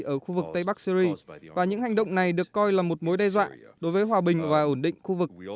ở khu vực tây bắc syri và những hành động này được coi là một mối đe dọa đối với hòa bình và ổn định khu vực